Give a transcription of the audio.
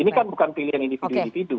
ini kan bukan pilihan individu individu